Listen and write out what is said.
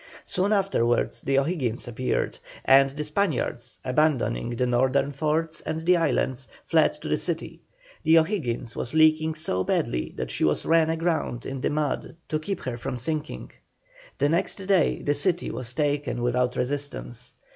Soon afterwards the O'Higgins appeared, and the Spaniards, abandoning the northern forts and the islands, fled to the city. The O'Higgins was leaking so badly that she was run aground in the mud to keep her from sinking. The next day the city was taken without resistance.